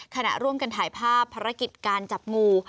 ขณะร่วมกันถ่ายภาพภารกิจการจับงู